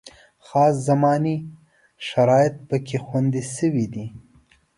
خاص زماني شرایط پکې خوندي شوي دي.